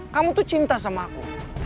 kamu tuh cinta sama aku